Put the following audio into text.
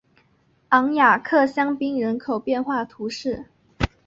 昂雅克香槟人口变化图示